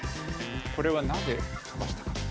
これはなぜ跳ばしたか。